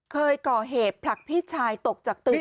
เคยก่อเหตุผลักพี่ชายตกจากตึก